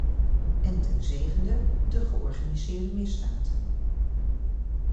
En ten zevende: de georganiseerde misdaad.